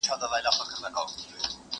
پروسس شوي خواړه هم همدې ته اړتیا لري.